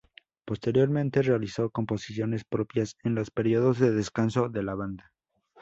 Posteriormente, realizó composiciones propias en los periodos de descanso de la banda.